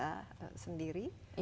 refleksi analisa sendiri